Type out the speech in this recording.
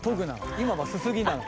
今は「すすぎ」なの。